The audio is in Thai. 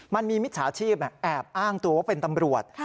มิจฉาชีพแอบอ้างตัวว่าเป็นตำรวจ